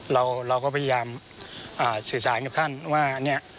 เราก็พยายามสื่อสารกับท่านว่าเนี่ย